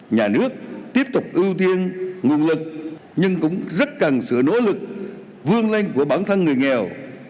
nhà nước tiếp tục ưu tiên nguồn lực nhưng cũng rất cần sự nỗ lực vươn lên của bản thân người nghèo